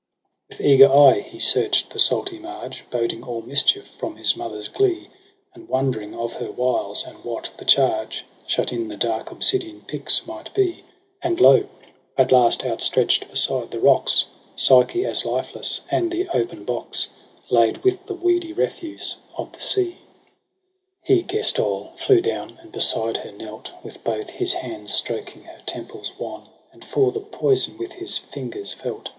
5 With eager eye he search'd the salty marge Boding all mischief from his mother's glee ; And wondering of her wiles, and what the charge Shut in the dark obsidian pyx might be. And lo ! at last, outstretch'd beside the rocks. Psyche as lifeless ; and the open box Laid with the weedy refuse of the sea. FEBRUARY 207 6 He guess'd all, flew down, and beside her knelt, With both his hands stroking her temples wan j And for the poison with his fingers felt.